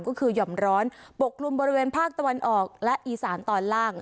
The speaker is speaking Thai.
ก็คือห่อมร้อนปกกลุ่มบริเวณภาคตะวันออกและอีสานตอนล่าง